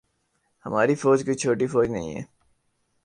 ہماری فوج کوئی چھوٹی فوج نہیں ہے۔